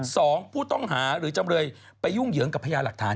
สองผู้ต้องหาหรือจำเลยไปยุ่งเหยิงกับพญาหลักฐาน